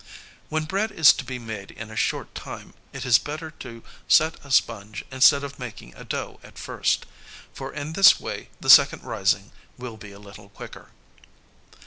When bread is to be made in a short time, it is better to set a sponge instead of making a dough at first; for in this way the second rising will be a little quicker.